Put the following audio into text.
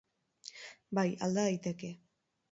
Bai, alda daiteke.